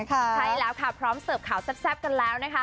ใช่แล้วพร้อมเสิร์ฟข่าวแซ่บกันแล้ว